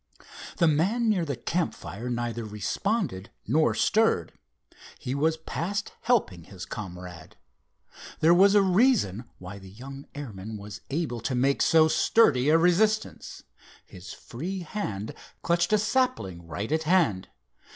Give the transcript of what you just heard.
The man near the campfire neither responded nor stirred. He was past helping his comrade. There was a reason why the young airman was able to make so sturdy a resistance. His free hand clutched a sapling right at hand.